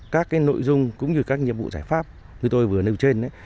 các cái nội dung cũng như các nhiệm vụ giải pháp như tôi vừa nêu trên ấy